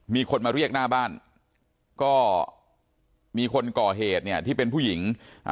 มีคนมาเรียกหน้าบ้านก็มีคนก่อเหตุเนี่ยที่เป็นผู้หญิง